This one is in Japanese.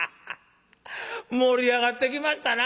盛り上がってきましたなほんまに。